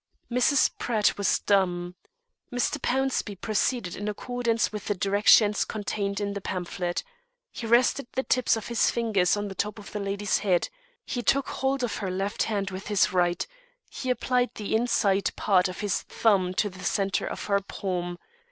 Mrs. Pratt was dumb. Mr. Pownceby proceeded in accordance with the directions contained in the pamphlet. He rested the tips of his fingers on the top of the lady's head. He took hold of her left hand with his right. He applied the "inside part" of his thumb to the centre of her palm.